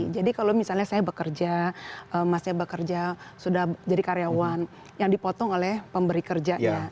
jadi kalau misalnya saya bekerja masnya bekerja sudah jadi karyawan yang dipotong oleh pemberi kerja